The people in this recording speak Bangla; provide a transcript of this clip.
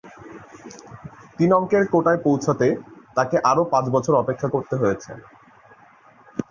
তিন অঙ্কের কোটায় পৌঁছতে তাকে আরও পাঁচ বছর অপেক্ষা করতে হয়েছে।